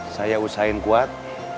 saya usahain kuat